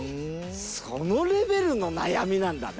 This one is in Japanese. そのレベルの悩みなんだね。